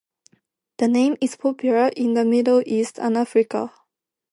The name is popular in the Middle East and Africa.